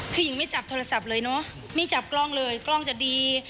คือหญิงไม่จับโทรศัพท์เลยเนอะไม่จับกล้องเลยกล้องจะดี